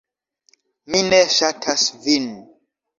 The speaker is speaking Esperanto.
Mi ne ŝatas vin.